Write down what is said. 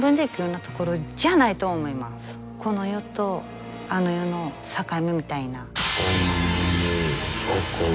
この世とあの世の境目みたいな。